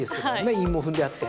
韻も踏んであって。